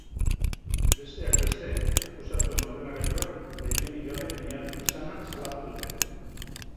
Besteak beste, akusatuen ordenagailuak baimenik gabe miatu izana salatu dute.